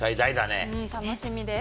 楽しみです。